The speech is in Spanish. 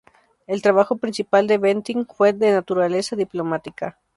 El trabajo principal de Bentinck fue de naturaleza diplomática.